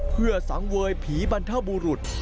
เพื่อสังเวยผีบรรทบุรุษ